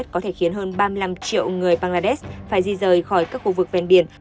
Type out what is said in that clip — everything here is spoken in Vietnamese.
có thể khiến hơn ba mươi năm triệu người bangladesh phải di rời khỏi các khu vực ven biển